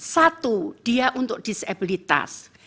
satu dia untuk disabilitas